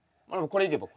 これいけば？